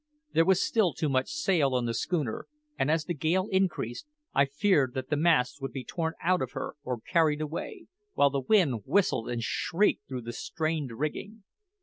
There was still too much sail on the schooner, and as the gale increased, I feared that the masts would be torn out of her or carried away, while the wind whistled and shrieked through the strained rigging.